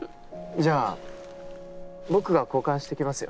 じゃあ僕が交換してきますよ。